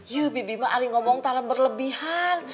yuh bibi mah hari ngomong tanah berlebihan